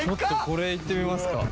これいってみますか。